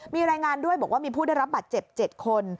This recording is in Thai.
มีรายงานด้วยบอกว่ามีผู้ได้รับบัตรเจ็บ๗คน